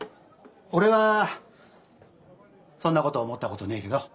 俺はそんなこと思ったことねえけど。